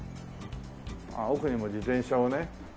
奥にも自転車をね